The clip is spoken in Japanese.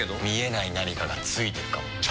見えない何かがついてるかも。